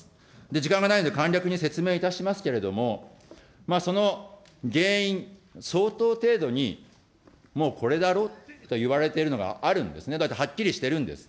時間がないので簡略に説明いたしますけれども、その原因、相当程度にもうこれだろうといわれているのがあるんですね、はっきりしてるんです。